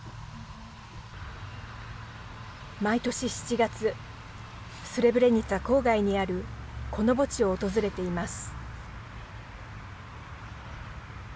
毎年７月スレブレニツァ郊外にあるこの墓地を訪れています。